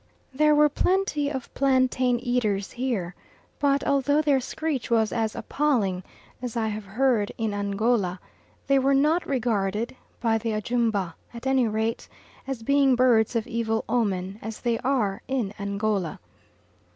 There were plenty of plantain eaters here, but, although their screech was as appalling as I have heard in Angola, they were not regarded, by the Ajumba at any rate, as being birds of evil omen, as they are in Angola.